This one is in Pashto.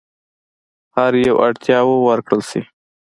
هر یوه اړتیاوو ورکړل شي.